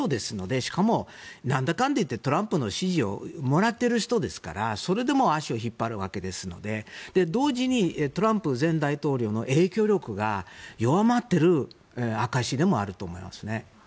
しかも、なんだかんだ言ってトランプ氏の支持をもらっている人ですからそれでも足を引っ張るわけですので同時にトランプ前大統領の影響力が弱まっている証しでもあると思いますね。